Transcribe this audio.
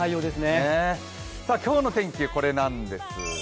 今日の天気、これなんです。